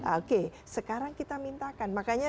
oke sekarang kita mintakan makanya